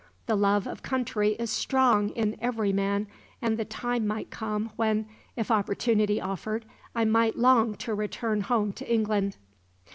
The love of country is strong in every man, and the time might come when, if opportunity offered, I might long to return home to England."